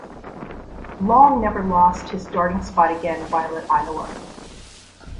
Long never lost his starting spot again while at Iowa.